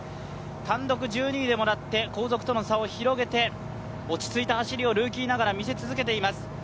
単独１２位でもらって後続との差を広げて落ち着いた走りをルーキーながら見せ続けています。